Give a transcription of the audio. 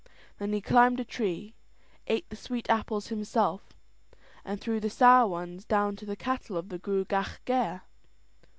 Then he climbed a tree, ate the sweet apples himself, and threw the sour ones down to the cattle of the Gruagach Gaire.